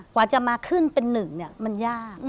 กว่าจะมาครึ่งเป็น๑เนี่ยมันยาก